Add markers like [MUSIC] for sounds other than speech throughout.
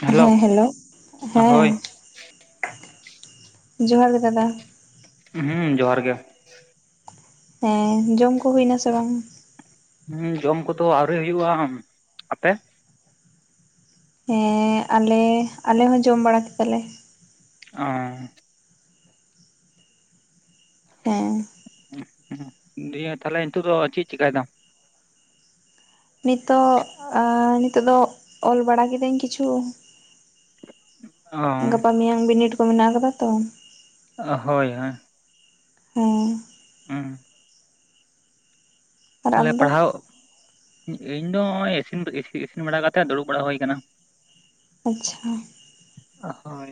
Hello ᱦᱳᱭ ᱦᱮᱸ ᱡᱚᱦᱟᱨ ᱜᱮ ᱫᱟᱫᱟ ᱦᱮᱸ ᱡᱚᱦᱟᱨ ᱜᱮ ᱦᱮᱸ ᱡᱚᱢ ᱠᱚ ᱦᱩᱭᱱᱟ ᱥᱮ ᱵᱟᱝ ᱦᱩᱸ ᱡᱚᱢ ᱠᱚᱫᱚ ᱟᱹᱣᱨᱤ ᱦᱩᱭᱩᱜᱼᱟ ᱟᱯᱮ ᱦᱮᱸ ᱟᱞᱮ ᱟᱞᱮ ᱦᱚᱸ ᱡᱚᱢ ᱵᱟᱲᱟ ᱠᱮᱫᱟᱞᱮ ᱚ ᱦᱮᱸ [UNINTELLIGIBLE] ᱫᱤᱭᱮ ᱛᱟᱦᱞᱮ ᱱᱤᱛᱚᱜ ᱫᱚ ᱪᱮᱫ ᱪᱮᱠᱟᱭ ᱫᱟᱢ? ᱱᱤᱛᱚᱜ ᱟᱻ ᱱᱤᱛᱚᱜ ᱫᱚ ᱚᱞ ᱵᱟᱲᱟ ᱠᱤᱫᱟᱹᱧ ᱠᱤᱪᱷᱩ ᱾ ᱜᱟᱯᱟ ᱢᱮᱭᱟᱝ ᱵᱤᱱᱤᱰ ᱠᱚ ᱢᱮᱱᱟᱜ ᱟᱠᱟᱫᱟ ᱛᱚ ᱾ ᱦᱚᱭ ᱦᱚᱭ ᱾ ᱦᱮᱸ ᱦᱩᱸ ᱟᱨ ᱟᱢ ᱛᱟᱦᱚᱞᱮ ᱫᱚ ᱯᱟᱲᱦᱟᱣ [UNINTELLIGIBLE] ᱤᱧ ᱫᱚ [UNINTELLIGIBLE] ᱤᱥᱤᱱ ᱤᱥᱤᱱ ᱵᱟᱲᱟ ᱠᱟᱛᱮᱜ ᱫᱩᱲᱩᱵ ᱵᱟᱲᱟ ᱦᱩᱭ ᱟᱠᱟᱱᱟ ᱾ ᱟᱪᱪᱷᱟ ᱾ ᱦᱚᱭ ᱾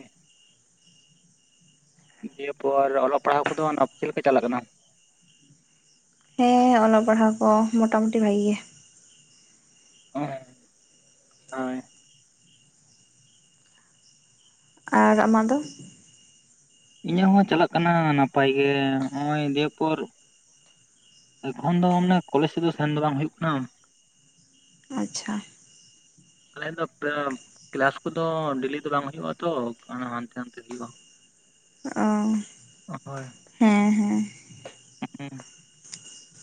ᱫᱤᱭᱮ ᱯᱚᱨ ᱚᱞᱚᱜ ᱯᱟᱲᱦᱟᱣ ᱠᱚᱫᱚ ᱚᱱᱟ ᱪᱮᱫᱮ ᱞᱮᱠᱟ ᱪᱟᱞᱟᱜ ᱠᱟᱱᱟ ᱾ ᱦᱮᱸ ᱚᱞᱚᱜ ᱯᱟᱲᱦᱟᱣ ᱠᱚ ᱢᱚᱴᱟ-ᱢᱩᱩᱴᱤ ᱵᱷᱟᱜᱤ ᱜᱮ᱾ [UNINTELLIGIBLE] ᱦᱚᱭ ᱟᱨ ᱟᱢᱟᱜ ᱫᱚ? ᱤᱧᱟᱹᱜ ᱦᱚᱸ ᱪᱟᱞᱟᱜ ᱠᱟᱱᱟ ᱱᱟᱯᱟᱭ ᱜᱮ ᱱᱚᱜ ᱚᱚᱭ ᱫᱤᱭᱮᱯᱚᱨ ᱮᱠᱷᱚᱱ ᱫᱚ ᱢᱟᱱ ᱠᱚᱞᱡᱽ ᱛᱮᱫᱚ ᱥᱮᱱ ᱫᱚ ᱵᱟᱝ ᱦᱚᱭᱚᱜ ᱠᱟᱱᱟ ᱾ ᱟᱪᱪᱷᱟ ᱾ [INAUDIBLE] ᱟᱞᱮ ᱫᱚ ᱠᱮᱞᱟᱥ ᱠᱚᱫᱚ ᱰᱮᱞᱤ ᱫᱚ ᱵᱟᱝ ᱦᱩᱭᱩᱜᱼᱟ ᱛᱚ ᱦᱟᱱᱛᱮ ᱱᱟᱱᱛᱮ ᱦᱩᱭᱩᱜᱼᱟ ᱾ ᱚ [UNINTELLIGIBLE] ᱦᱚᱭ ᱦᱮᱸ ᱦᱮᱸ [UNINTELLIGIBLE]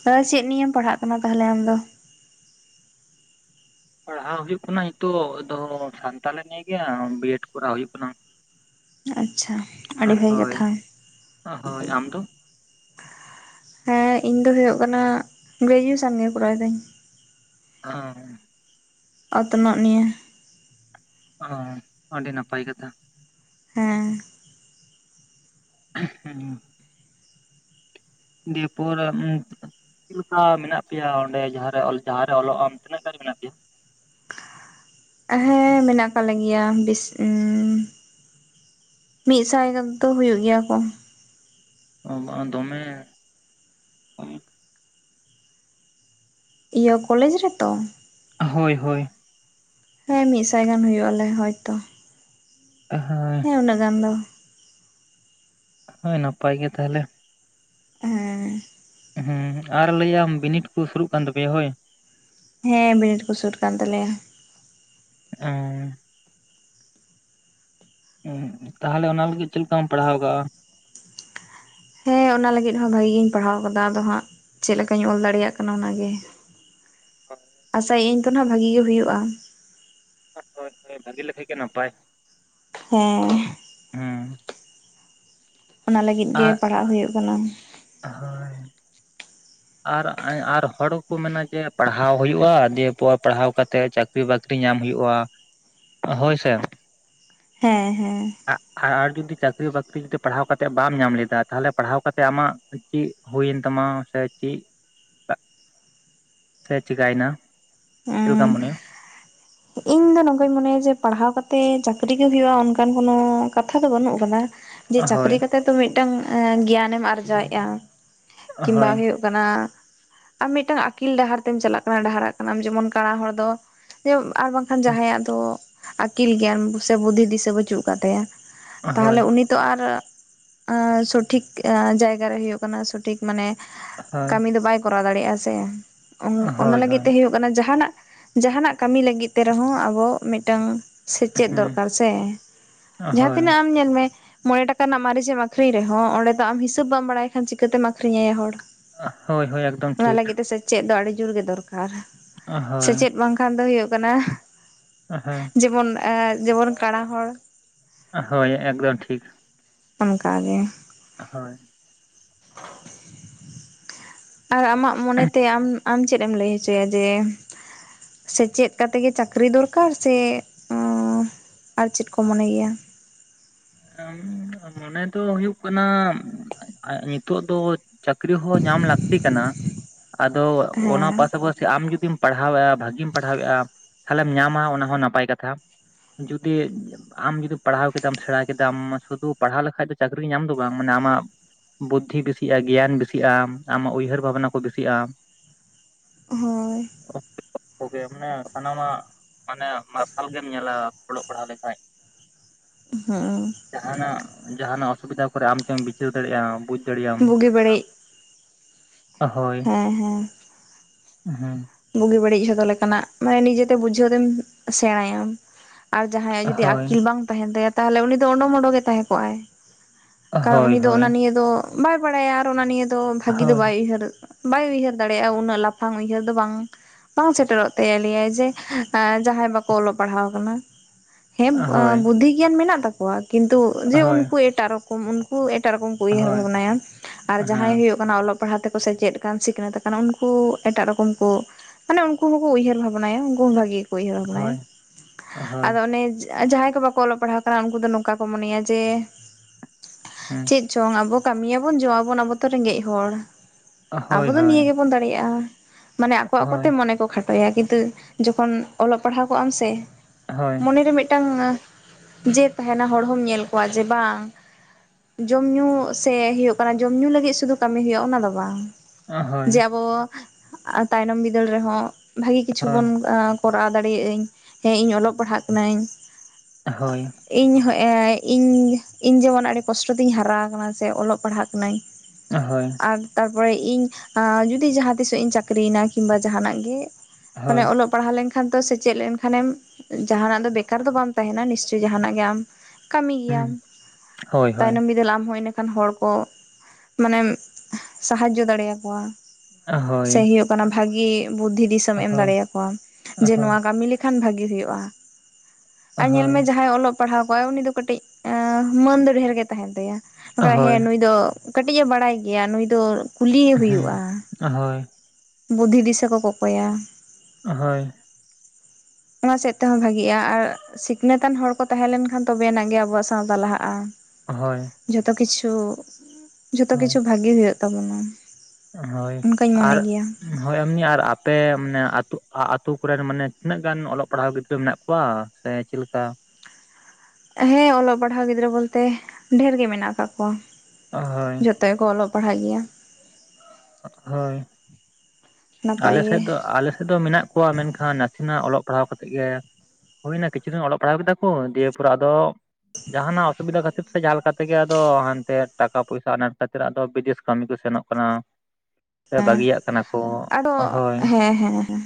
[UNINTELLIGIBLE] ᱪᱮᱫ ᱱᱤᱭᱮᱢ ᱯᱟᱲᱦᱟᱜ ᱠᱟᱱᱟ ᱛᱟᱦᱚᱞᱮ ᱟᱢᱫᱚ? ᱯᱟᱲᱦᱟᱣ ᱦᱩᱭᱩᱜ ᱠᱟᱱᱟ ᱱᱤᱛᱚᱜ ᱫᱚ ᱥᱟᱱᱛᱟᱞᱤ ᱱᱤᱭ ᱜᱮ ᱵᱤ ᱮᱰ ᱠᱚᱨᱟᱣ ᱦᱩᱭᱩᱜ ᱠᱟᱱᱟ ᱾ ᱟᱪᱪᱷᱟ ᱟᱹᱰᱤ [INAUDIBLE] ᱵᱷᱟᱹᱜᱤ ᱦᱚᱭ ᱠᱟᱛᱷᱟ [INAUDIBLE] ᱦᱚᱭ ᱟᱢ ᱫᱚ? [INAUDIBLE] ᱦᱮᱸ ᱤᱧ ᱫᱚ ᱦᱩᱭᱩᱜ ᱠᱟᱱᱟ ᱜᱨᱮᱡᱩᱭᱮᱥᱚᱱ ᱜᱮ ᱠᱚᱨᱟᱣ ᱫᱟᱹᱧ ᱾ [UNINTELLIGIBLE] ᱚᱛᱱᱚᱜ ᱱᱤᱭᱟᱹ ᱾ ᱚ [INAUDIBLE] ᱟᱹᱰᱤ ᱱᱟᱯᱟᱭ ᱠᱟᱛᱷᱟ ᱾ ᱦᱮᱸ ᱦᱮᱸᱻ ᱫᱤᱭᱮ ᱯᱚᱨ [UNINTELLIGIBLE] ᱪᱮᱫ ᱞᱮᱠᱟ ᱢᱮᱱᱟᱜ ᱯᱮᱭᱟ ᱚᱸᱰᱮ ᱡᱟᱦᱟᱸ ᱨᱮ ᱡᱟᱦᱟᱸ ᱨᱮ ᱚᱞᱚᱜ ᱟᱢ ᱛᱤᱱᱟᱹᱜ ᱜᱟᱱ ᱢᱮᱱᱟᱜ ᱯᱮᱭᱟ? ᱦᱮᱸ ᱢᱮᱱᱟᱜ ᱟᱠᱟᱫ ᱞᱮ ᱜᱮᱮᱭᱟ ᱵᱮᱥᱤ ᱢᱤᱫ ᱥᱟᱭ ᱫᱚ ᱦᱳᱭᱳᱜ ᱜᱮᱭᱟ ᱠᱚ ᱾ ᱚ [UNINTELLIGIBLE] ᱫᱚᱢᱮ ᱤᱭᱟᱹ ᱠᱚᱞᱮᱡᱽ ᱨᱮᱛᱚ? ᱦᱚᱭ ᱦᱚᱭ ᱦᱮᱸ ᱢᱤᱫ ᱥᱟᱭ ᱜᱟᱱ ᱦᱩᱭᱩᱜ ᱟᱞᱮ ᱦᱚᱭ ᱛᱚ ᱾ ᱦᱟᱸᱻ [UNINTELLIGIBLE] ᱜᱟᱱ ᱫᱚ ᱾ ᱦᱚᱭ ᱱᱟᱯᱟᱭ ᱜᱮ ᱛᱟᱦᱚᱞᱮ ᱾ ᱦᱮᱸ ᱦᱮᱸ ᱟᱨ ᱞᱟᱹᱭᱟᱢ ᱵᱤᱱᱤᱰ ᱠᱚ ᱥᱩᱨᱩᱜ ᱠᱟᱱ ᱛᱟᱯᱮᱭᱟ ᱦᱚᱭ? ᱦᱮᱸ ᱵᱤᱱᱤᱰ ᱠᱚ ᱥᱩᱨ ᱠᱟᱱ ᱛᱟᱞᱮᱭᱟ ᱾ ᱚᱸᱻ ᱛᱟᱦᱚᱞᱮ ᱚᱱᱟ ᱞᱟᱹᱜᱤᱫ ᱪᱮᱫ ᱞᱮᱠᱟᱢ ᱯᱟᱲᱦᱟᱣ ᱠᱟᱜᱼᱟ? ᱦᱮᱸ ᱚᱱᱟ ᱞᱟᱹᱜᱤᱫ ᱦᱚᱸ ᱵᱷᱟᱜᱤ ᱜᱮᱧ ᱯᱟᱲᱦᱟᱣ ᱟᱠᱟᱫᱟ ᱟᱫᱚ ᱦᱟᱸᱜ ᱪᱮᱫ ᱞᱮᱠᱟᱧ ᱚᱞ ᱫᱟᱲᱮᱭᱟᱜ ᱠᱟᱱᱟ ᱚᱱᱟᱜᱮ ᱾ [UNINTELLIGIBLE] ᱟᱥᱟᱭᱟᱹᱧ ᱛᱚ ᱟᱸᱜ ᱵᱷᱟᱜᱤ ᱜᱮ ᱦᱩᱭᱩᱜᱼᱟ ᱾ [UNINTELLIGIBLE] ᱵᱷᱟᱜᱤ ᱞᱮᱠᱷᱟ ᱜᱮ ᱱᱟᱯᱟᱭ ᱾ ᱦᱮᱸ ᱾ ᱚᱱᱟ ᱞᱟᱹᱜᱤᱫ ᱜᱮ ᱟᱨ ᱯᱟᱲᱦᱟᱜ ᱦᱩᱭᱩᱜ ᱠᱟᱱᱟ᱾ ᱦᱳᱭ ᱟᱨ ᱟᱨ ᱦᱚᱲᱠᱚ ᱢᱮᱱᱟ ᱡᱮ ᱯᱟᱲᱦᱟᱣ ᱦᱩᱭᱩᱜᱼᱟ ᱫᱮ ᱯᱟᱲᱦᱟᱣ ᱠᱟᱛᱮᱫ ᱪᱟᱠ ᱪᱟᱹᱠᱨᱤ ᱵᱟᱹᱠᱨᱤ ᱧᱟᱢ ᱦᱩᱭᱩᱜᱼᱟ᱾ ᱦᱳᱭ ᱥᱮᱮ ᱦᱮᱸ ᱦᱮᱸ ᱟᱨ ᱡᱩᱫᱤ ᱪᱟᱹᱠᱨᱤ ᱵᱟᱹᱠᱨᱤ ᱡᱩᱫᱤ ᱯᱟᱲᱦᱟᱣ ᱠᱟᱛᱮᱫ ᱵᱟᱢ ᱧᱟᱢ ᱞᱮᱫᱟ ᱛᱟᱦᱚᱞᱮ ᱯᱟᱲᱦᱟᱣ ᱠᱟᱛᱮ ᱟᱢᱟᱜ ᱪᱮᱫ ᱦᱩᱭᱮᱱ ᱛᱟᱢᱟ ᱥᱮ ᱪᱮᱫ [UNINTELLIGIBLE] ᱥᱮ ᱪᱤᱠᱟᱭᱮᱱᱟ ᱪᱮᱫ ᱞᱮᱠᱟᱢ ᱦᱮᱸ ᱢᱚᱱᱮᱭᱟ? ᱤᱧ ᱫᱚ ᱱᱚᱝᱠᱟᱧ ᱢᱚᱱᱮᱭᱟ ᱡᱮ ᱯᱟᱲᱦᱟᱣ ᱠᱟᱛᱮ ᱪᱟᱹᱠᱨᱤ ᱜᱮ ᱦᱩᱭᱩᱜᱼᱟ᱾ ᱚᱱᱠᱟᱱ ᱠᱳᱱᱳ ᱠᱟᱛᱷᱟ ᱫᱚ ᱵᱟᱹᱱᱩᱜ ᱟᱠᱟᱫᱟ᱾ ᱡᱮ ᱦᱳᱭ ᱪᱟᱹᱠᱨᱤ ᱠᱟᱛᱮᱜ ᱛᱚ ᱢᱤᱫᱴᱟᱝ ᱜᱮᱭᱟᱱᱮᱢ ᱟᱨᱡᱟᱣᱮᱫᱼᱟ ᱠᱤᱝᱵᱟ ᱦᱳᱭ ᱦᱳᱭᱳᱜ ᱠᱟᱱᱟ᱾ ᱟᱨ ᱢᱤᱫᱴᱟᱝ ᱟᱹᱠᱤᱞ ᱰᱟᱦᱟᱨ ᱛᱮᱢ ᱪᱟᱞᱟᱜ ᱠᱟᱱᱟ ᱰᱟᱦᱟᱨᱟᱜ ᱠᱟᱱᱟᱢ ᱡᱮᱢᱚᱱ ᱠᱟᱬᱟ ᱦᱚᱲ ᱫᱚ ᱡᱮ ᱟᱨ ᱵᱟᱝ ᱠᱷᱟᱱ ᱡᱟᱦᱟᱸᱭᱟᱜ ᱫᱚ ᱟᱹᱠᱤᱞ ᱜᱮᱭᱟᱱ ᱥᱮ ᱵᱩᱫᱽᱫᱷᱤ ᱫᱤᱥᱟᱹ ᱵᱟᱹᱪᱩᱜ ᱟᱠᱟᱫ ᱛᱟᱭᱟ᱾ ᱦᱳᱭ ᱛᱟᱦᱚᱞᱮ ᱩᱱᱤ ᱛᱚ ᱟᱨ ᱥᱚᱴᱷᱤᱠ ᱡᱟᱭᱜᱟ ᱨᱮ ᱦᱩᱭᱩᱜ ᱠᱟᱱᱟ᱾ ᱥᱚᱴᱷᱤᱠ ᱢᱟᱱᱮ ᱦᱳᱭ ᱠᱟᱹᱢᱤ ᱫᱚ ᱵᱟᱭ ᱠᱚᱨᱟᱣ ᱫᱟᱲᱮᱭᱟᱜᱼᱟ ᱥᱮ ᱚᱱᱟ ᱦᱳᱭ ᱞᱟᱹᱜᱤᱫ ᱦᱳᱭ ᱛᱮ ᱦᱳᱭᱳᱜ ᱡᱟᱦᱟᱱᱟᱜ ᱡᱟᱦᱟᱱᱟᱜ ᱠᱟᱹᱢᱤ ᱞᱟᱹᱜᱤᱫ ᱛᱮ ᱨᱮᱦᱚᱸ ᱟᱵᱚ ᱢᱤᱫᱴᱟᱝ ᱥᱮᱪᱮᱫ ᱦᱩᱸ ᱫᱚᱨᱠᱟᱨ ᱥᱮ ᱡᱟᱦᱟᱸ ᱦᱳᱭ ᱛᱤᱱᱟᱹᱜ ᱟᱢ ᱧᱮᱞ ᱢᱮ ᱢᱚᱬᱮ ᱴᱟᱠᱟ ᱨᱮᱱᱟᱜ ᱢᱟᱹᱨᱤᱪᱮᱢ ᱟᱠᱷᱨᱤᱧ ᱨᱮᱦᱚᱸ ᱚᱸᱰᱮ ᱫᱚ ᱟᱢ ᱦᱤᱥᱟᱹᱵ ᱵᱟᱢ ᱵᱟᱲᱟᱭ ᱠᱷᱟᱱ ᱪᱤᱠᱟᱹᱛᱮᱢ ᱟᱠᱷᱨᱤᱧ ᱟᱭᱟ ᱦᱚᱲ ᱦᱳᱭ ᱦᱳᱭ ᱮᱠᱫᱚᱢ ᱚᱱᱟ ᱴᱷᱤᱠ ᱞᱟᱹᱜᱤᱫ ᱛᱮ ᱥᱮᱪᱮᱫ ᱫᱚ ᱟᱹᱰᱤ ᱡᱳᱨ ᱜᱮ ᱫᱚᱨᱠᱟᱨ ᱦᱳᱭ ᱥᱮᱪᱮᱫ ᱵᱟᱝ ᱠᱷᱟᱱ ᱫᱚ ᱦᱩᱭᱩᱜ ᱠᱟᱱᱟ᱾ ᱚ ᱦᱮᱸ ᱡᱮᱢᱚᱱ ᱡᱮᱢᱚᱱ ᱠᱟᱬᱟ ᱦᱚᱲ ᱦᱳᱭ ᱮᱠᱫᱚᱢ ᱴᱷᱤᱠ ᱚᱱᱠᱟᱜᱮ ᱦᱳᱭ [INAUDIBLE] ᱟᱨ ᱟᱢᱟᱜ ᱢᱚᱱᱮᱛᱮ ᱟᱢ ᱟᱢ ᱪᱮᱫ ᱮᱢ ᱞᱟᱹᱭ ᱦᱚᱪᱚᱭᱟ ᱡᱮ ᱥᱮᱪᱮᱫ ᱠᱟᱛᱮᱜ ᱜᱮ ᱪᱟᱹᱠᱨᱤ ᱫᱚᱨᱠᱟᱨ ᱥᱮ ᱟᱨ ᱪᱮᱫ ᱠᱚ ᱢᱚᱱᱮ ᱜᱮᱭᱟ? ᱢᱚᱱᱮ ᱫᱚ ᱦᱩᱭᱩᱜ ᱠᱟᱱᱟ ᱱᱤᱛᱚᱜ ᱫᱚ ᱪᱟᱹᱠᱨᱤ ᱦᱚᱸ ᱧᱟᱢ ᱞᱟᱹᱠᱛᱤ ᱠᱟᱱᱟ ᱟᱫᱚ ᱚᱱᱟ ᱦᱮᱸ ᱯᱟᱥᱟᱯᱟᱥᱤ ᱥᱮ ᱟᱢ ᱡᱩᱫᱤᱢ ᱯᱟᱲᱦᱟᱣᱮᱫᱼᱟ ᱵᱷᱟᱹᱜᱤᱢ ᱯᱟᱲᱦᱟᱣᱮᱫᱼᱟ ᱛᱟᱦᱚᱞᱮᱢ ᱧᱟᱢᱟ ᱚᱱᱟ ᱦᱚᱸ ᱱᱟᱯᱟᱭ ᱠᱟᱛᱷᱟ ᱡᱩᱫᱤ ᱟᱢ ᱡᱩᱫᱤ ᱯᱟᱲᱦᱟᱣ ᱠᱮᱫᱟᱢ ᱥᱮᱬᱟ ᱠᱮᱫᱟᱢ ᱥᱩᱫᱩ ᱯᱟᱲᱦᱟᱣ ᱞᱮᱠᱷᱟᱱᱡ ᱫᱚ ᱪᱟᱹᱠᱨᱤ ᱧᱟᱢ ᱫᱚ ᱵᱟᱝ ᱢᱟᱱᱮ ᱟᱢᱟᱜ ᱵᱩᱫᱽᱫᱷᱤ ᱵᱮᱥᱤᱜᱼᱟ ᱜᱮᱭᱟᱱ ᱵᱮᱥᱤᱜᱼᱟᱢ ᱟᱢᱟᱜ ᱩᱭᱦᱟᱹᱨ ᱵᱷᱟᱵᱱᱟ ᱠᱚ ᱵᱮᱥᱤᱜᱼᱟ᱾ ᱦᱳᱭ [INAUDIBLE] ᱜᱮ ᱢᱟᱱᱮ ᱥᱟᱱᱟᱢᱟᱜ ᱢᱟᱱᱮ ᱢᱟᱨᱥᱟᱞ ᱜᱮᱢ ᱧᱮᱞᱟ ᱚᱞᱚᱜ ᱯᱟᱲᱦᱟᱜ ᱞᱮᱠᱷᱟᱡ ᱦᱮᱸ ᱡᱟᱦᱟᱱᱟᱜ ᱡᱟᱦᱟᱱᱟᱜ ᱚᱥᱩᱵᱤᱫᱷᱟ ᱠᱚᱨᱮ ᱟᱢᱛᱮᱢ ᱵᱤᱪᱟᱹᱨ ᱫᱟᱲᱮᱭᱟᱜᱼᱟ ᱵᱩᱡᱽ ᱫᱟᱲᱮᱭᱟᱜ ᱵᱩᱜᱤ ᱵᱟᱹᱲᱤᱡ ᱦᱳᱭ ᱦᱮᱸ ᱦᱮᱸ ᱦᱮᱸ ᱵᱩᱜᱤ ᱵᱟᱹᱲᱤᱡ ᱡᱷᱚᱛᱚ ᱞᱮᱠᱟᱱᱟᱜ ᱢᱟᱱᱮ ᱱᱤᱡᱮᱛᱮ ᱵᱩᱡᱷᱟᱹᱣ ᱛᱮᱢ ᱥᱮᱬᱟᱭᱟᱢ ᱟᱨ ᱡᱟᱦᱟᱸᱭᱟᱜ ᱡᱩᱫᱤ ᱦᱳᱭ, ᱟᱹᱠᱤᱞ ᱵᱟᱝ ᱛᱟᱦᱮᱱ ᱛᱟᱭᱟ ᱛᱟᱦᱚᱞᱮ ᱩᱱᱤ ᱫᱚ ᱚᱰᱩᱢ ᱚᱰᱚᱠᱮ ᱛᱟᱦᱮᱸ ᱠᱚᱜᱼᱟᱭ ᱠᱟᱨᱚᱱ ᱦᱳᱭ, ᱦᱳᱭ, ᱩᱱᱤ ᱫᱚ ᱚᱱᱟ ᱱᱤᱭᱮ ᱫᱚ ᱵᱟᱭ ᱵᱟᱲᱟᱭᱟ ᱟᱨ ᱚᱱᱟ ᱱᱤᱭᱮ ᱫᱚ ᱵᱷᱟᱹᱜᱤ ᱫᱚ ᱵᱟᱭ ᱦᱳᱭ, ᱩᱭᱦᱟᱹᱨ ᱵᱟᱭ ᱩᱭᱦᱟᱹᱨ ᱫᱟᱲᱮᱭᱟᱜᱼᱟ ᱩᱱᱟᱹᱜ ᱞᱟᱯᱷᱟᱝ ᱩᱭᱦᱟᱹᱨ ᱫᱚ ᱵᱟᱝ ᱵᱟᱝ ᱥᱮᱴᱮᱨᱚᱜ ᱛᱟᱭᱟ ᱞᱮᱭᱟᱭ ᱡᱮ ᱡᱟᱦᱟᱸᱭ ᱵᱟᱠᱚ ᱚᱞᱚᱜ ᱯᱟᱲᱦᱟᱣ ᱠᱟᱱᱟ᱾ ᱦᱮᱸ ᱦᱳᱭ, ᱵᱩᱫᱽᱫᱷᱤ ᱜᱮᱭᱟᱱ ᱢᱮᱱᱟᱜ ᱛᱟᱠᱚᱣᱟ ᱠᱤᱱᱛᱩ ᱡᱮ ᱦᱳᱭ, ᱩᱱᱠᱩ ᱮᱴᱟᱜ ᱨᱚᱠ ᱩᱱᱠᱩ ᱮᱴᱟᱜ ᱨᱚᱠᱚᱢ ᱠᱚ ᱩᱭᱦᱟᱹᱨ ᱦᱳᱭ, ᱵᱷᱟᱵᱱᱟᱭᱟ ᱟᱨ ᱡᱟᱦᱟᱸᱭ ᱦᱮᱸ, ᱦᱩᱭᱩᱜ ᱚᱞᱚᱜ ᱯᱟᱲᱦᱟᱜ ᱛᱮᱠᱚ ᱥᱮ ᱪᱮᱫ ᱠᱟᱱ ᱥᱤᱠᱷᱱᱟᱹᱛ ᱠᱟᱱᱟ ᱩᱱᱠᱩ ᱮᱴᱟᱜ ᱨᱚᱠᱚᱢ ᱠᱚ ᱢᱟᱱᱮ ᱩᱱᱠᱩ ᱦᱚᱸᱠᱚ ᱩᱭᱦᱟᱹᱨ ᱵᱷᱟᱵᱱᱟᱭᱟ ᱩᱱᱠᱩ ᱦᱚᱸ ᱵᱷᱟᱜᱤ ᱩᱭᱦᱟᱹᱨ ᱵᱟᱱᱟᱭᱮᱢ ᱦᱳᱭ, ᱦᱳᱭ, ᱟᱫᱚ ᱚᱱᱮ ᱡᱟᱦᱟᱸᱭ ᱠᱚ ᱵᱟᱠᱚ ᱚᱞᱚᱜ ᱯᱟᱲᱦᱟᱣ ᱠᱟᱱᱟ ᱩᱱᱠᱩ ᱫᱚ ᱱᱚᱝᱠᱟ ᱠᱚ ᱢᱚᱱᱮᱭᱟ ᱡᱮ ᱦᱮᱸ, ᱪᱮᱫ ᱪᱚᱝ ᱟᱵᱚ ᱠᱟᱹᱢᱤᱭᱟ ᱵᱚᱱ ᱡᱚᱢᱟ ᱵᱚᱱ ᱟᱵᱚ ᱫᱚ ᱨᱮᱸᱜᱮᱡ ᱦᱚᱲ ᱦᱳᱭ, ᱦᱳᱭ, ᱦᱳᱭ, ᱦᱳᱭ, ᱦᱳᱭ, ᱟᱵᱚ ᱫᱚ ᱱᱤᱭᱟᱹ ᱜᱮᱵᱚᱱ ᱫᱟᱲᱮᱭᱟᱜᱼᱟ᱾ ᱢᱟᱱᱮ ᱟᱠᱚ ᱟᱠᱚᱛᱮ ᱢᱚᱱᱮ ᱠᱚ ᱠᱷᱟᱴᱚᱭᱟ ᱠᱤᱱᱛᱩ ᱡᱚᱠᱷᱚᱱ ᱚᱞᱚᱜ ᱯᱟᱲᱦᱟᱣ ᱠᱚᱜ ᱟᱢ ᱥᱮ ᱦᱳᱭ, ᱦᱳᱭ, ᱦᱳᱭ, ᱦᱳᱭ, ᱦᱩᱸ, ᱦᱳᱭ, ᱦᱳᱭ, ᱦᱳᱭ, ᱦᱳᱭ, ᱢᱚᱱᱮᱨᱮ ᱢᱤᱫᱴᱟᱝ ᱡᱮ ᱛᱟᱦᱮᱱᱟ ᱦᱚᱲ ᱦᱚᱢ ᱧᱮᱞ ᱠᱚᱣᱟ ᱡᱮ ᱵᱟᱝ ᱡᱚᱢ ᱧᱩ ᱥᱮ ᱦᱤᱭᱳᱜ ᱠᱟᱱᱟ ᱡᱚᱢ ᱧᱩ ᱞᱟᱹᱜᱤᱫ ᱥᱩᱫᱩ ᱠᱟᱹᱢᱤ ᱦᱳᱭᱳᱜᱼᱟ ᱚᱱᱟ ᱫᱚ ᱵᱟᱝ ᱡᱮ ᱟᱵᱚ ᱛᱟᱭᱱᱚᱢ ᱵᱤᱫᱟᱹᱞ ᱨᱮᱦᱚᱸ ᱵᱷᱟᱹᱜᱤ ᱠᱤᱪᱷᱩ ᱵᱚᱱ ᱠᱚᱨᱟᱣ ᱫᱟᱲᱮᱭᱟᱜ ᱟᱹᱧ ᱦᱮᱸ ᱤᱧ ᱚᱞᱚᱜ ᱯᱟᱲᱦᱟᱜ ᱠᱟᱹᱱᱟᱹᱧ ᱦᱳᱭ ᱤᱧ ᱦᱚᱸ ᱮ ᱤᱧ ᱤᱧ ᱡᱮᱢᱚᱱ ᱟᱹᱰᱤ ᱠᱚᱥᱴᱚ ᱛᱤᱧ ᱦᱟᱨᱟ ᱟᱠᱟᱱᱟ ᱥᱮ ᱚᱞᱚᱜ ᱯᱟᱲᱦᱟᱜ ᱠᱟᱹᱱᱟᱹᱧ ᱦᱳᱭ ᱟᱨ ᱛᱟᱨᱯᱚᱨᱮ ᱤᱧ ᱟᱸ ᱡᱩᱫᱤ ᱡᱟᱦᱟᱸ ᱛᱤᱥᱚᱜ ᱤᱧ ᱪᱟᱹᱠᱨᱤᱭᱮᱱᱟ ᱠᱤᱢᱵᱟ ᱡᱟᱦᱟᱱᱟᱜ ᱜᱮ ᱢᱟᱱᱮ ᱚᱞᱚᱜ ᱯᱟᱲᱦᱟᱣ ᱞᱮᱱᱠᱷᱟᱱ ᱛᱚ ᱥᱮᱪᱮᱫ ᱞᱮᱱᱠᱷᱟᱱ ᱮᱢ ᱡᱟᱦᱟᱱᱟᱜ ᱫᱚ ᱵᱮᱠᱟᱨ ᱫᱚ ᱵᱟᱢ ᱛᱟᱦᱮᱱᱟ ᱱᱤᱥᱪᱳᱭ ᱡᱟᱦᱟᱱᱟᱜ ᱜᱮ ᱟᱢ ᱠᱟᱹᱢᱤ ᱜᱮᱭᱟᱢ ᱦᱳᱭ, ᱛᱟᱭᱱᱚᱢ ᱵᱤᱫᱟᱹᱞ ᱟᱢᱦᱚ ᱤᱱᱟ ᱠᱷᱟᱱ ᱦᱚᱲ ᱠᱚ ᱢᱟᱱᱮᱢ ᱥᱟᱦᱟᱡᱽᱡᱚ ᱫᱟᱲᱮ ᱭᱟᱠᱚᱣᱟ ᱥᱮ ᱦᱤᱭᱳᱜ ᱠᱟᱱᱟ ᱵᱷᱟᱜᱤ ᱵᱩᱫᱽᱫᱷᱤ ᱫᱤᱥᱟᱹᱢ ᱮᱢ ᱫᱟᱲᱮᱭᱟᱠᱚᱣᱟ ᱡᱮ ᱱᱚᱶᱟ ᱠᱟᱹᱢᱤ ᱞᱮᱠ ᱠᱷᱟᱱ ᱵᱷᱟᱜᱤ ᱦᱩᱭᱩᱜᱼᱟ ᱟᱨ ᱧᱮᱞ ᱢᱮ ᱡᱟᱦᱟᱸᱭ ᱚᱞᱚᱜ ᱯᱟᱲᱦᱟᱣ ᱠᱚᱣᱟᱜ ᱩᱱᱤ ᱫᱚ ᱠᱟᱹᱴᱤᱡ ᱮᱸᱻ ᱢᱟᱹᱱ ᱫᱚ ᱰᱷᱮᱨ ᱜᱮ ᱛᱟᱦᱮᱱ ᱛᱟᱭᱟ ᱦᱮᱸ ᱱᱩᱭ ᱫᱚ ᱠᱟᱹᱴᱤᱡ ᱮ ᱵᱟᱲᱟᱭ ᱜᱮᱭᱟ ᱱᱩᱭ ᱫᱚ ᱠᱩᱞᱤᱭᱮ ᱦᱩᱭᱩᱜᱼᱟ ᱦᱳᱭ ᱵᱩᱫᱷᱤ ᱫᱤᱥᱟᱹ ᱠᱚ ᱠᱚᱠᱚᱭᱟ ᱦᱳᱭ ᱚᱱᱟ ᱥᱮᱫ ᱛᱮᱦᱚᱸ ᱵᱷᱟᱹᱜᱤᱜᱼᱟ ᱟᱨ ᱥᱤᱠᱷᱱᱟᱹᱛ ᱟᱱ ᱦᱚᱲ ᱠᱚ ᱛᱟᱦᱮᱸ ᱞᱮᱱᱠᱷᱟᱱ ᱛᱚᱵᱮ ᱟᱱᱟᱜ ᱜᱮ ᱟᱵᱚᱣᱟᱜ ᱥᱟᱶᱛᱟ ᱞᱟᱦᱟᱜᱼᱟ ᱦᱳᱭ ᱡᱚᱛᱚ ᱠᱤᱪᱷᱩ ᱡᱚᱛᱚ ᱠᱤᱪᱷᱩ ᱦᱳᱭ, ᱵᱷᱟᱹᱜᱮ ᱦᱩᱭᱩᱜ ᱛᱟᱵᱳᱱᱟ᱾ ᱦᱳᱭ ᱟᱨ ᱦᱳᱭ ᱮᱢᱱᱤ ᱟᱨ ᱟᱯᱮ ᱢᱟᱱᱮ ᱟᱹᱛᱳ ᱟᱹᱛᱳ ᱠᱚᱨᱮᱱ ᱢᱟᱱᱮ ᱛᱤᱱᱟᱹᱜ ᱜᱟᱱ ᱚᱞᱚᱜ ᱯᱟᱲᱦᱟᱣ ᱜᱤᱫᱽᱨᱟᱹ ᱢᱮᱱᱟᱜ ᱣᱟ ᱥᱮ ᱪᱮᱫ ᱞᱮᱠᱟ ᱦᱮᱸ ᱚᱞᱚᱜ ᱯᱟᱲᱦᱟᱣ ᱜᱤᱫᱽᱨᱟᱹ ᱵᱚᱞᱛᱮ ᱰᱷᱮᱨ ᱜᱮ ᱢᱮᱱᱟᱜ ᱟᱠᱟᱫ ᱠᱚᱣᱟ ᱦᱳᱭ ᱛᱮ ᱠᱚ ᱚᱞᱚᱜ ᱯᱟᱲᱦᱟᱜ ᱜᱮᱭᱟ ᱦᱳᱭ ᱱᱟᱯᱟᱭ ᱟᱞᱮ ᱜᱮ ᱥᱮᱫ ᱫᱚ ᱟᱞᱮ ᱥᱮᱫ ᱫᱚ ᱢᱮᱱᱟᱜ ᱠᱚᱣᱟ ᱢᱮᱱᱠᱷᱟᱱ ᱱᱟᱥᱮᱱᱟᱜ ᱚᱞᱚᱜ ᱯᱟᱲᱦᱟᱣ ᱠᱟᱛᱮᱜ ᱜᱮ ᱦᱩᱭᱱᱟ ᱠᱤᱪᱷᱩ ᱫᱤᱱ ᱚᱞᱚᱜ ᱯᱟᱲᱦᱟᱣ ᱠᱮᱫᱟ ᱠᱚ ᱫᱤᱭᱮ ᱯᱚᱨ ᱟᱫᱚ ᱡᱟᱦᱟᱱᱟᱜ ᱚᱥᱩᱵᱤᱫᱷᱟ ᱠᱷᱟᱹᱛᱤᱨ ᱥᱮ ᱡᱟᱦᱟ ᱞᱮᱠᱟ ᱛᱮᱜᱮ ᱟᱫᱚ ᱦᱟᱱᱛᱮ ᱴᱟᱠᱟ ᱯᱩᱭᱥᱟ ᱟᱱᱟᱴ ᱠᱷᱟᱹᱛᱤᱨ ᱟᱫᱚ ᱵᱤᱫᱮᱥ ᱠᱟᱹᱢᱤ ᱠᱚ ᱥᱮᱱᱚᱜ ᱠᱟᱱᱟ ᱥᱮ ᱵᱟᱹᱜᱤᱭᱟᱜ ᱠᱟᱱᱟ ᱠᱚ ᱛᱚ ᱦᱳᱭ ᱦᱮᱸᱻᱦᱮᱸᱻ ᱦᱮᱸᱻ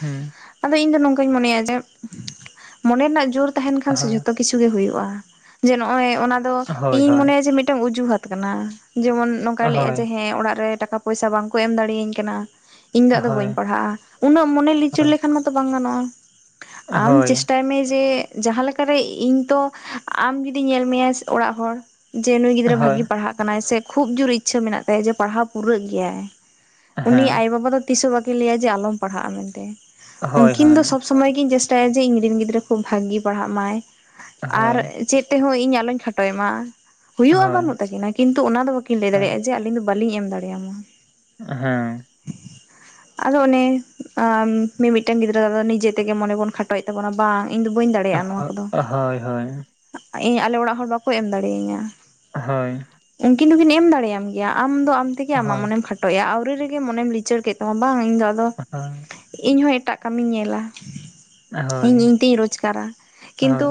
ᱦᱮᱸ ᱟᱫᱚ ᱤᱧ ᱫᱚ ᱱᱚᱝᱠᱟᱹᱧ ᱢᱚᱱᱮᱭᱟ ᱡᱮ ᱢᱚᱱᱮ ᱨᱮᱱᱟᱜ ᱡᱳᱨ ᱛᱟᱦᱮᱱ ᱠᱷᱟᱱ ᱥᱮ ᱦᱳᱭ ᱡᱷᱚᱛᱚ ᱜᱮ ᱠᱤᱪᱷᱩ ᱜᱮ ᱦᱩᱭᱩᱜᱼᱟ ᱡᱮ ᱱᱚᱜᱼᱚᱭ ᱚᱱᱟ ᱫᱚ ᱦᱳᱭ ᱤᱧᱤᱧ ᱦᱳᱭ ᱢᱚᱱᱮᱭᱟ ᱡᱮ ᱢᱤᱫᱴᱟᱝ ᱩᱡᱩ ᱦᱟᱛ ᱠᱟᱱᱟ ᱡᱮᱢᱚᱱ ᱱᱚᱝᱠᱟᱭ ᱞᱟᱹᱭᱼᱟ ᱦᱳᱭ ᱡᱮ ᱦᱮᱸ ᱚᱲᱟᱜ ᱨᱮ ᱴᱟᱠᱟ ᱯᱚᱭᱥᱟ ᱵᱟᱝᱠᱚ ᱮᱢ ᱫᱟᱲᱮᱭᱟᱹᱧ ᱠᱟᱱᱟ ᱤᱧ ᱫᱚ ᱟᱫᱚ ᱦᱳᱭ ᱵᱟᱹᱧ ᱯᱟᱲᱦᱟᱜᱼᱟ ᱩᱱᱟᱹᱜ ᱢᱚᱱᱮ ᱞᱤᱪᱟᱹᱲ ᱞᱮᱠᱷᱟᱱ ᱢᱟᱛᱚ ᱵᱟᱝ ᱜᱟᱱᱚᱜᱼᱟ ᱟᱢ ᱦᱳᱭ ᱪᱮᱥᱴᱟᱭ ᱢᱮ ᱡᱮ ᱡᱟᱦᱟᱸ ᱞᱮᱠᱟᱨᱮ ᱤᱧ ᱛᱚ ᱟᱢ ᱡᱩᱫᱤ ᱧᱮᱞ ᱢᱮᱭᱟ ᱚᱲᱟᱜ ᱦᱚᱲ ᱡᱮ ᱱᱩᱭ ᱜᱤᱫᱽᱨᱟᱹ ᱵᱷᱟᱜᱤ ᱦᱳᱭ ᱯᱟᱲᱦᱟᱜ ᱠᱟᱱᱟᱭ ᱥᱮ ᱠᱷᱩᱵ ᱡᱳᱨ ᱤᱪᱪᱷᱟᱹ ᱢᱮᱱᱟᱜ ᱛᱟᱭᱟ ᱡᱮ ᱯᱟᱲᱦᱟᱣ ᱯᱩᱨᱟᱹᱜ ᱜᱮᱭᱟᱭ ᱩᱱᱤ ᱦᱮᱸ ᱟᱭᱳ ᱵᱟᱵᱟ ᱫᱚ ᱛᱤᱥ ᱦᱚᱸ ᱵᱟᱹᱠᱤᱱ ᱞᱟᱹᱭᱟ ᱡᱮ ᱟᱞᱚᱢ ᱯᱟᱲᱦᱟᱜᱼᱟ ᱢᱮᱱᱛᱮ ᱦᱳᱭ ᱩᱱᱠᱤᱱ ᱫᱚ ᱦᱳᱭ ᱥᱚᱵ ᱥᱚᱢᱚᱭ ᱠᱤᱱ ᱪᱮᱥᱴᱟᱭᱟ ᱡᱮ ᱤᱧ ᱨᱮᱱ ᱜᱤᱫᱽᱨᱟᱹ ᱠᱷᱩᱵ ᱵᱷᱟᱜᱤ ᱯᱟᱲᱦᱟᱜ ᱢᱟᱭ ᱟᱨ ᱦᱳᱭ ᱪᱮᱫ ᱛᱮᱦᱚᱸ ᱤᱧ ᱟᱞᱚᱧ ᱠᱷᱟᱴᱚᱭ ᱮ ᱢᱟ ᱦᱩᱭᱩᱜᱼᱟ ᱦᱳᱭ ᱵᱟᱹᱱᱩᱜ ᱛᱟᱹᱠᱤᱱᱟ ᱠᱤᱱᱛᱩ ᱚᱱᱟ ᱫᱚ ᱵᱟᱹᱠᱤᱱ ᱞᱟᱹᱭ ᱦᱮᱸ ᱫᱟᱲᱮᱭᱟᱜ-ᱟ ᱡᱮ ᱟᱞᱤᱧ ᱫᱚ ᱵᱟᱹᱞᱤᱧ ᱮᱢ ᱫᱟᱲᱮᱭᱟᱢᱟ ᱦᱮᱸ ᱟᱫᱚ ᱚᱱᱮ ᱢᱤᱢᱤᱫᱴᱟᱝ ᱜᱤᱫᱽᱨᱟᱹ ᱫᱚ ᱱᱤᱡᱮ ᱛᱮᱜᱮ ᱢᱚᱱᱮ ᱵᱚᱱ ᱠᱷᱟᱴᱚᱭᱮᱫ ᱛᱟᱵᱚᱱᱟ ᱵᱟᱝ ᱤᱧ ᱫᱚ ᱵᱟᱹᱧ ᱫᱟᱲᱮᱭᱟᱜᱼᱟ ᱫᱟᱲᱮᱭᱟᱜᱼᱟ ᱱᱚᱶᱟ ᱠᱚᱫᱚ ᱦᱳᱭ ᱦᱳᱭ ᱤᱧ ᱟᱞᱮ ᱚᱲᱟᱜ ᱦᱚᱲ ᱵᱟᱠᱚ ᱮᱢ ᱫᱟᱲᱮ ᱤᱧᱟ ᱦᱳᱭ ᱩᱱᱠᱤᱱ ᱫᱚᱠᱤᱱ ᱮᱢ ᱫᱟᱲᱮᱭᱟᱢ ᱜᱮᱭᱟ ᱟᱢ ᱫᱚ ᱟᱢ ᱛᱮᱜᱮ ᱦᱳᱭ ᱟᱢᱟᱜ ᱦᱳᱭ ᱢᱚᱱᱮᱢ ᱠᱷᱟᱴᱚᱭᱮᱫᱼᱟ ᱴᱟᱭᱮᱜ-ᱟ ᱟᱣᱨᱤ ᱨᱮᱜᱮ ᱢᱚᱱᱮᱢ ᱞᱤᱪᱟᱹᱲ ᱠᱮᱫ ᱛᱟᱢᱟ ᱵᱟᱝ ᱤᱧᱫᱚ ᱟᱫᱚ ᱦᱳᱭ ᱤᱧ ᱮᱴᱟᱜ ᱠᱟᱹᱢᱤᱧ ᱧᱮᱞᱟ ᱦᱳᱭ ᱤᱧ ᱤᱧ ᱛᱤᱧ ᱨᱚᱡᱽᱜᱟᱨᱟ ᱠᱤᱱᱛᱩ ᱦᱳᱭ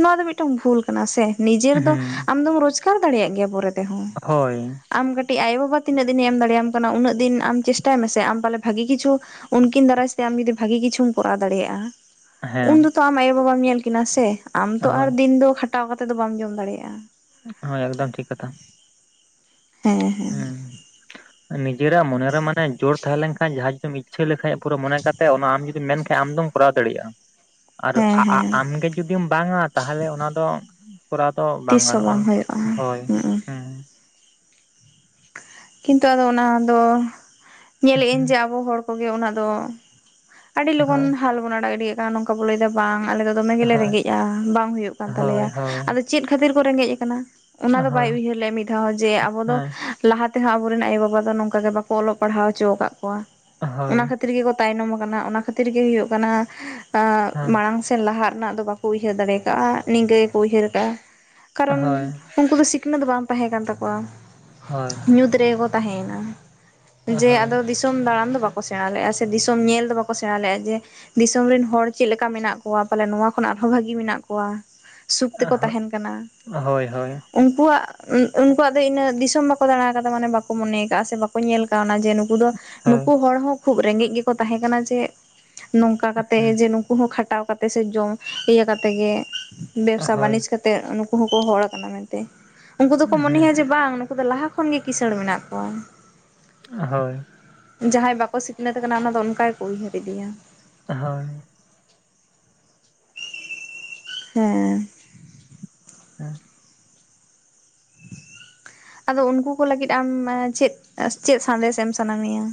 ᱱᱚᱣᱟ ᱫᱚ ᱢᱤᱫᱴᱟᱝ ᱵᱷᱩᱞ ᱠᱟᱱᱟ ᱥᱮ ᱱᱤᱡᱮᱨ ᱫᱚ ᱦᱩᱸ ᱟᱢᱫᱚᱢ ᱨᱳᱡᱽᱜᱟᱨ ᱫᱟᱲᱮᱭᱟᱜ ᱜᱮᱭᱟ ᱯᱚᱨᱮᱛᱮ ᱛᱮ ᱦᱚᱸ ᱦᱳᱭ ᱟᱢ ᱠᱟᱹᱴᱤᱡ ᱟᱭᱳ ᱵᱟᱵᱟ ᱛᱤᱱᱟᱹᱜ ᱫᱤᱱᱮ ᱮᱢ ᱫᱟᱲᱮᱭᱟᱢ ᱠᱟᱱᱟ ᱩᱱᱟᱹᱜ ᱫᱤᱱ ᱟᱢ ᱪᱮᱥᱴᱟᱭ ᱢᱮᱥᱮ ᱟᱢᱯᱟᱞᱮ ᱵᱷᱟᱜᱤ ᱠᱤᱪᱷᱩ ᱩᱱᱠᱤᱱ ᱫᱟᱨᱟᱭ ᱛᱮ ᱟᱢ ᱡᱩᱫᱤ ᱵᱷᱟᱜᱤ ᱠᱤᱪᱷᱩᱢ ᱠᱚᱨᱟᱣ ᱫᱟᱲᱮᱭᱟᱜᱼᱟ ᱦᱮᱸ ᱩᱱ ᱫᱚ ᱛᱚ ᱟᱢ ᱟᱭᱳ ᱵᱟᱵᱟᱢ ᱧᱮᱞ ᱠᱤᱱᱟ ᱥᱮ ᱟᱢ ᱛᱚ ᱟᱨ ᱦᱳᱭ ᱫᱤᱱ ᱫᱚ ᱠᱷᱟᱴᱟᱣ ᱠᱟᱛᱮᱜ ᱫᱚ ᱵᱟᱢ ᱡᱚᱢ ᱫᱟᱲᱮᱭᱟᱜ-ᱟ᱾ ᱦᱳᱭ ᱮᱠᱫᱚᱢ ᱴᱷᱤᱠ ᱠᱟᱛᱷᱟ ᱦᱮᱸ ᱦᱮᱸ ᱱᱤᱡᱮᱨᱟᱜ ᱢᱚᱱᱮᱨᱮ ᱢᱟᱱᱮ ᱡᱳᱨ ᱛᱟᱦᱮᱸᱞᱮᱱ ᱠᱷᱟᱡ ᱡᱟᱦᱟᱸ ᱡᱩᱫᱤᱢ ᱤᱪᱪᱷᱟᱹ ᱞᱮᱠᱷᱟᱡ ᱯᱩᱨᱟᱹ ᱢᱚᱱᱮ ᱠᱟᱛᱮ ᱚᱱᱟ ᱟᱢ ᱡᱩᱫᱤᱢ ᱢᱮᱱᱠᱷᱟᱡ ᱟᱢ ᱫᱚᱢ ᱠᱚᱨᱟᱣ ᱫᱟᱲᱮᱜ-ᱟ ᱟᱨ ᱦᱮᱸ ᱟ ᱟ ᱦᱮᱸ ᱟᱢᱜᱮ ᱡᱩᱫᱤᱢ ᱵᱟᱝᱟ ᱛᱟᱦᱚᱞᱮ ᱚᱱᱟ ᱫᱚ ᱠᱚᱨᱟᱣ ᱫᱚ ᱵᱟᱝ ᱛᱤᱥ ᱦᱚᱸ ᱜᱟᱱᱚᱜᱼᱟ ᱦᱩᱭᱩᱜᱼᱟ ᱦᱳᱭ ᱦᱩᱸ ᱦᱩᱸ ᱠᱤᱱᱛᱩ ᱟᱫᱚ ᱚᱱᱟ ᱫᱚ ᱧᱮᱞᱮᱫ ᱟᱹᱧ ᱦᱩᱸ, ᱡᱮ ᱟᱵᱚ ᱦᱚᱲ ᱠᱚᱜᱮ ᱚᱱᱟ ᱫᱚ, ᱟᱹᱰᱤ ᱞᱚᱜᱚᱱ ᱦᱳᱭ ᱦᱟᱞ ᱵᱚᱱ ᱟᱲᱟᱜ ᱜᱤᱰᱤᱠᱟᱜ ᱠᱟᱱᱟ ᱱᱚᱝᱠᱟ ᱵᱚ ᱞᱟᱹᱭᱮᱫᱟ ᱵᱟᱝ ᱟᱞᱮ ᱫᱚ ᱫᱚᱢᱮ ᱜᱮᱞᱮ ᱦᱳᱭ ᱨᱮᱸᱜᱮᱡᱼᱟ ᱵᱟᱝ ᱦᱩᱭᱩᱜ ᱠᱟᱱ ᱦᱳᱭ ᱛᱟᱞᱮᱭᱟ ᱦᱳᱭ ᱟᱫᱚ ᱪᱮᱫ ᱠᱷᱟᱹᱛᱤᱨ ᱠᱚ ᱨᱮᱸᱜᱮᱡ ᱟᱠᱟᱱᱟ ᱚᱱᱟ ᱫᱚ ᱵᱟᱭ ᱦᱳᱭ ᱩᱭᱦᱟᱹᱨ ᱞᱮᱫ ᱟ ᱢᱤᱫ ᱫᱷᱟᱣ ᱡᱮ ᱟᱵᱚ ᱫᱚ ᱦᱮᱸ ᱞᱟᱦᱟ ᱛᱮᱦᱚᱸ ᱟᱵᱚᱨᱮᱱ ᱟᱭᱩ ᱵᱟᱵᱟ ᱫᱚ ᱱᱚᱝᱠᱟ ᱜᱮ ᱵᱟᱠᱚ ᱚᱞᱚᱜ ᱯᱟᱲᱦᱟᱣ ᱚᱪᱚᱣᱟᱠᱟᱫ ᱠᱚᱣᱟ ᱦᱳᱭ ᱚᱱᱟ ᱠᱷᱟᱹᱛᱤᱨ ᱜᱮ ᱛᱟᱭᱱᱚᱢ ᱟᱠᱟᱱᱟ ᱚᱱᱟ ᱠᱷᱟᱹᱛᱤᱨ ᱜᱮ ᱦᱩᱭᱩᱜ ᱠᱟᱱᱟ ᱟᱸ ᱦᱮᱸ ᱢᱟᱲᱟᱝ ᱥᱮ ᱞᱟᱦᱟᱜ ᱨᱮᱱᱟᱜ ᱫᱚ ᱵᱟᱠᱚ ᱩᱭᱦᱟᱹᱨ ᱫᱟᱲᱮ ᱠᱟᱜ-ᱟ ᱱᱤᱝᱠᱟᱹ ᱜᱮᱠᱚ ᱩᱭᱦᱟᱹᱨ ᱠᱟᱜ-ᱟ ᱠᱟᱨᱚᱱ ᱦᱳᱭ ᱩᱱᱠᱩ ᱫᱚ ᱥᱤᱠᱷᱱᱟᱹᱛ ᱫᱚ ᱵᱟᱝ ᱛᱟᱦᱮᱸ ᱠᱟᱱ ᱛᱟᱠᱚᱣᱟ ᱦᱳᱭ ᱧᱩᱛ ᱨᱮᱜᱮ ᱠᱚ ᱛᱟᱦᱮᱸᱭᱮᱱᱟ ᱦᱳᱭ ᱡᱮ ᱟᱫᱚ ᱫᱤᱥ ᱫᱤᱥᱚᱢ ᱫᱟᱬᱟᱱ ᱫᱚ ᱵᱟᱠᱚ ᱥᱮᱬᱟ ᱞᱮᱫ-ᱟ ᱥᱮ ᱫᱤᱥᱚᱢ ᱧᱮᱞ ᱫᱚ ᱵᱟᱠᱚ ᱥᱮᱬᱟ ᱞᱮᱫ-ᱟ ᱡᱮ ᱫᱤᱥᱚᱢ ᱨᱮᱱ ᱦᱚᱲ ᱪᱮᱫ ᱞᱮᱠᱟ ᱢᱮᱱᱟᱜ ᱠᱚᱣᱟ ᱯᱟᱞᱮ ᱱᱚᱶᱟ ᱠᱷᱚᱱᱟᱜ ᱟᱨᱦᱚᱸ ᱵᱷᱟᱜᱤ ᱢᱮᱱᱟᱜ ᱠᱚᱣᱟ ᱥᱩᱠ ᱛᱮᱠᱚ ᱦᱳᱭ ᱛᱟᱦᱮᱱ ᱠᱟᱱᱟ ᱦᱳᱭ ᱦᱳᱭ ᱩᱱᱠᱩᱣᱟᱜ ᱩᱱᱠᱩᱣᱟᱜ ᱫᱚ ᱤᱱᱟᱹ ᱫᱤᱥᱚᱢ ᱵᱟᱠᱚ ᱫᱟᱬᱟ ᱟᱠᱟᱫᱟ ᱢᱟᱱᱮ ᱵᱟᱠᱚ ᱢᱚᱱᱮᱭ ᱟᱠᱟᱜᱼᱟ ᱥᱮ ᱵᱟᱠᱚ ᱠᱚ ᱧᱮᱞ ᱠᱟᱣᱱᱟ ᱡᱮ ᱱᱩᱠᱩ ᱫᱚ ᱦᱳᱭ ᱱᱩᱠᱩ ᱦᱚᱲ ᱦᱚᱸ ᱠᱷᱩᱵᱽ ᱨᱮᱸᱜᱮᱡ ᱜᱮᱠᱚ ᱛᱟᱦᱮᱸ ᱠᱟᱱᱟ ᱡᱮ ᱱᱚᱝᱠᱟ ᱦᱩᱸ ᱠᱟᱛᱮᱜ ᱡᱮ ᱱᱩᱠᱩ ᱦᱚᱸ ᱠᱷᱟᱴᱟᱣ ᱠᱟᱛᱮᱜ ᱥᱮ ᱡᱚᱢ ᱤᱭᱟᱹ ᱠᱟᱛᱮ ᱜᱮ, ᱵᱮᱵᱽᱥᱟ ᱦᱳᱭ ᱵᱟᱹᱱᱤᱡᱽ ᱠᱟᱛᱮᱜ ᱱᱩᱠᱩ ᱦᱚᱸᱠᱚ ᱦᱚᱲ ᱠᱟᱱᱟ ᱢᱮᱱᱛᱮ ᱩᱱᱠᱩ ᱫᱚᱠᱚ ᱢᱚᱱᱮᱭᱟ ᱦᱩᱸ ᱡᱮ ᱵᱟᱝ ᱩᱱᱠᱩ ᱫᱚ ᱞᱟᱦᱟ ᱠᱷᱚᱱ ᱜᱮ ᱠᱤᱥᱟᱹᱬ ᱢᱮᱱᱟᱜ ᱠᱚᱣᱟ [INAUDIBLE] ᱦᱳᱭ ᱡᱟᱦᱟᱸᱭ ᱵᱟᱠᱚ ᱥᱤᱠᱷᱱᱟᱹᱛ ᱟᱠᱟᱱᱟ ᱚᱱᱟ ᱫᱚ ᱚᱱᱠᱟ ᱜᱮ ᱠᱚ ᱩᱭᱦᱟᱹᱨ ᱤᱫᱤᱭᱟ ᱦᱳᱭ ᱦᱮᱸ ᱦᱮᱸ [INAUDIBLE] ᱟᱫᱚ ᱩᱱᱠᱩ ᱠᱚ ᱞᱟᱹᱜᱤᱫ ᱟᱢ ᱪᱮᱫ ᱪᱮᱫ ᱥᱟᱸᱫᱮᱥ ᱮᱢ ᱥᱟᱱᱟ ᱢᱮᱭᱟ,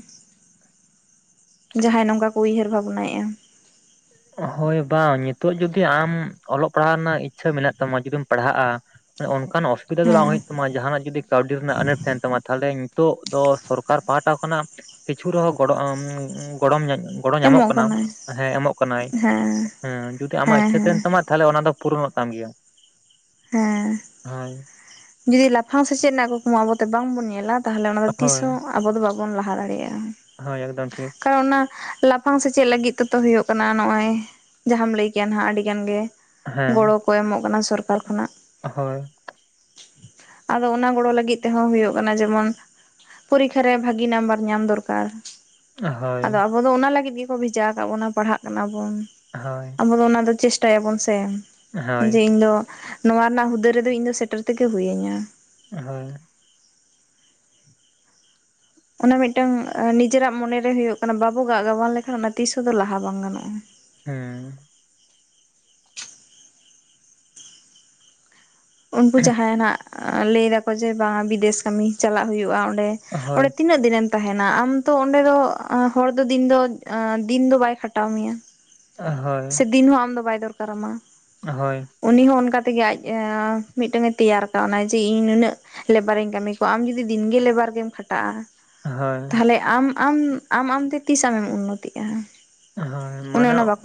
ᱡᱟᱦᱟᱸᱭ ᱱᱚᱝᱠᱟ ᱠᱚ ᱩᱭᱦᱟᱹᱨ ᱵᱷᱟᱵᱽᱱᱟᱭᱮᱜ-ᱟ ᱦᱳᱭ ᱵᱟᱝ ᱱᱤᱛᱚᱜ ᱡᱩᱫᱤ ᱟᱢ ᱚᱞᱚᱜ ᱯᱟᱲᱦᱟᱣ ᱨᱮᱱᱟᱜ ᱤᱪᱪᱷᱟᱹ ᱢᱮᱱᱟᱜ ᱛᱟᱢᱟ ᱡᱩᱫᱤᱢ ᱯᱟᱲᱦᱟᱜ-ᱟ ᱚᱱᱠᱟᱱ ᱚᱥᱩᱵᱤᱫᱷᱟ ᱫᱚ ᱵᱟᱝ ᱦᱮᱸ ᱦᱩᱭᱩᱜ ᱛᱟᱢᱟ ᱡᱟᱦᱟᱱᱟᱜ ᱡᱩᱫᱤ ᱠᱟᱹᱣᱰᱤ ᱨᱮᱱᱟᱜ ᱟᱱᱟᱴ ᱛᱟᱦᱮᱱ ᱛᱟᱢᱟ ᱛᱟᱦᱚᱞᱮ ᱱᱤᱛᱚᱜ ᱫᱚ ᱥᱚᱨᱠᱟᱨ ᱯᱟᱦᱟᱴᱟ ᱠᱷᱚᱱᱟᱜ ᱠᱤᱪᱷᱩ ᱨᱮᱦᱚᱸ ᱜᱚᱲ ᱟᱢ ᱜᱚᱲᱚᱢ ᱜᱚᱲᱚ ᱧᱟᱢᱚᱜ ᱮᱢᱚᱜ ᱠᱟᱱᱟ ᱠᱟᱱᱟᱭ ᱦᱮᱸ ᱮᱢᱚᱜ ᱦᱮᱸ ᱦᱩᱸ ᱡᱩᱫᱤ ᱟᱢᱟᱜ ᱦᱮᱸ ᱤᱪᱪᱷᱟᱹ ᱦᱮᱸ ᱛᱟᱦᱮᱱ ᱛᱟᱢᱟ ᱛᱟᱦᱚᱞᱮ ᱚᱱᱟ ᱫᱚ ᱯᱩᱨᱚᱱᱚᱜ ᱛᱟᱢ ᱜᱮᱭᱟ ᱦᱮᱸ ᱦᱳᱭ ᱡᱩᱫᱤ ᱞᱟᱯᱷᱟᱝ ᱥᱮᱪᱮᱫ ᱨᱮᱱᱟᱜ ᱠᱩᱠᱢᱩ ᱟᱵᱚ ᱵᱟᱝᱵᱚᱱ ᱧᱮᱞᱟ ᱛᱟᱦᱚᱞᱮ ᱚᱱᱟ ᱫᱚ ᱛᱤᱥ ᱦᱳᱭ ᱦᱚᱸ ᱟᱵᱚ ᱫᱚ ᱵᱟᱵᱚᱱ ᱞᱟᱦᱟ ᱫᱟᱲᱮᱭᱟᱜᱼᱟ᱾ ᱦᱳᱭ ᱮᱠᱫᱚᱢ ᱴᱷᱤᱠ ᱠᱟᱨᱚᱱ ᱚᱱᱟ ᱞᱟᱯᱷᱟᱝ ᱥᱮᱪᱮᱫ ᱞᱟᱹᱜᱤᱫ ᱛᱮᱛᱚ ᱦᱩᱭᱩᱜ ᱠᱟᱱᱟ ᱱᱚᱜ-ᱚᱭ ᱡᱟᱦᱟᱸᱢ ᱞᱟᱹᱭ ᱠᱮᱭᱟ ᱦᱟᱸᱜ ᱟᱹᱰᱤ ᱜᱟᱱᱜᱮ ᱦᱮᱸ ᱜᱚᱲᱚ ᱠᱚ ᱮᱢᱚᱜ ᱠᱟᱱᱟ ᱥᱚᱨᱠᱟᱨ ᱠᱷᱚᱱᱟᱜ ᱦᱳᱭ ᱟᱫᱚ ᱚᱱᱟ ᱜᱚᱲᱚ ᱞᱟᱹᱜᱤᱫ ᱛᱮᱦᱚᱸ ᱦᱩᱭᱩᱜ ᱠᱟᱱᱟ ᱡᱮᱢᱚᱱ ᱯᱚᱨᱤᱠᱷᱟ ᱨᱮ ᱵᱷᱟᱹᱜᱤ ᱱᱟᱢᱵᱟᱨ ᱧᱟᱢ ᱫᱚᱨᱠᱟᱨ ᱟᱫᱚ ᱦᱳᱭ ᱟᱵᱚ ᱫᱚ ᱚᱱᱟ ᱞᱟᱹᱜᱤᱫ ᱜᱮᱠᱚ ᱵᱷᱮᱡᱟ ᱟᱠᱟᱫ ᱵᱚᱱᱟ ᱯᱟᱲᱦᱟᱜ ᱠᱟᱱᱟ ᱵᱚᱱ ᱦᱳᱭ ᱟᱵᱚᱫᱚ ᱚᱱᱟ ᱫᱚ ᱪᱮᱥᱴᱟᱭᱟᱵᱚᱱ ᱥᱮ ᱦᱳᱭ ᱡᱮ ᱤᱧ ᱫᱚ ᱱᱚᱣᱟ ᱨᱮᱱᱟᱜ ᱦᱩᱫᱟᱹᱨ ᱨᱮᱫᱚ ᱤᱧᱫᱚ ᱥᱮᱴᱮᱨ ᱛᱮᱜᱮ ᱦᱩᱭᱤᱧᱟᱹ ᱦᱳᱭ ᱚᱱᱟ ᱢᱤᱫᱴᱟᱝ ᱱᱤᱡᱮᱨᱟᱜ ᱢᱚᱱᱮᱨᱮ ᱦᱩᱭᱩᱜ ᱠᱟᱱᱟ ᱵᱟᱵᱚ ᱜᱟᱜ ᱜᱟᱵᱟᱱ ᱞᱮᱠᱷᱟᱱ ᱚᱱᱟ ᱛᱤᱥᱦᱚᱸ ᱫᱚ ᱞᱟᱦᱟ ᱵᱟᱝ ᱜᱟᱱᱚᱜᱼᱟ᱾ ᱦᱩᱸ ᱩᱱᱠᱩ ᱡᱟᱦᱟᱭᱱᱟᱜ ᱞᱟᱹᱭ ᱫᱟᱠᱚ ᱡᱮ ᱵᱟᱝᱟ ᱵᱤᱫᱮᱥ ᱠᱟᱹᱢᱤ ᱪᱟᱞᱟᱜ ᱦᱩᱭᱩᱜᱼᱟ ᱚᱸᱰᱮ ᱦᱳᱭ ᱚᱸᱰᱮ ᱛᱤᱱᱟᱹᱜ ᱫᱤᱱ ᱮᱢ ᱛᱟᱦᱮᱱᱟ ᱟᱢ ᱛᱚ ᱚᱸᱰᱮ ᱫᱚ ᱦᱚᱲ ᱫᱚ ᱫᱤᱱ ᱫᱚ ᱫᱤᱱ ᱫᱚ ᱵᱟᱭ ᱠᱷᱟᱴᱟᱣ ᱢᱮᱭᱟ ᱦᱳᱭ ᱥᱮ ᱫᱤᱱ ᱦᱚᱸ ᱟᱢ ᱫᱚ ᱵᱟᱭ ᱫᱚᱨᱠᱟᱨᱟᱢᱟ ᱦᱳᱭ ᱩᱱᱤ ᱦᱚᱸ ᱚᱱᱠᱟ ᱛᱮᱜᱮ ᱟᱡ ᱢᱤᱫᱴᱟᱝᱮ ᱛᱮᱭᱟᱨ ᱠᱟᱣᱱᱟᱭ ᱡᱮ ᱤᱧ ᱱᱩᱱᱟᱹᱜ ᱞᱮᱵᱟᱨᱤᱧ ᱠᱟᱹᱢᱤ ᱠᱚᱣᱟ ᱟᱢ ᱡᱩᱚᱫᱤ ᱫᱤᱱᱜᱮ ᱞᱮᱵᱟᱨ ᱜᱮᱢ ᱠᱷᱟᱴᱟᱜ-ᱟ ᱦᱳᱭ ᱛᱟᱦᱞᱮ ᱟᱢ ᱟᱢ ᱟᱢ ᱟᱢᱛᱮ ᱛᱤᱥ ᱟᱢᱮᱢ ᱩᱱᱱᱚᱛᱤᱜᱼᱟ ᱦᱳᱭ ᱚᱱᱮ ᱢᱟᱱᱮ ᱚᱱᱟ ᱵᱟᱠᱚ